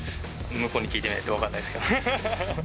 向こうに聞いてみないと分かんないですけど。